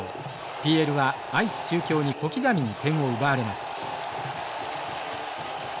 ＰＬは愛知中京に小刻みに点を奪われます。